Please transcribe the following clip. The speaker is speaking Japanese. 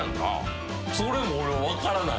それも俺分からない。